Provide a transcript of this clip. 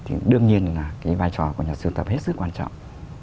thì đương nhiên là cái vai trò của nhà siêu tập hết sức quan trọng